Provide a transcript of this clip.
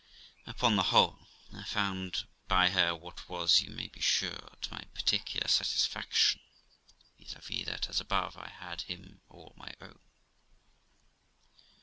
Upon the whole, I found by her what was, you may be sure, to my particular satisfaction, viz. that, as above, I had him all my own.